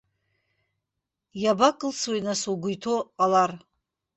Иабакылсуеи, нас, угәы иҭоу ҟалар?